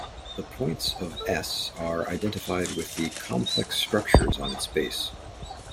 The points of "S" are identified with the complex structures on its base.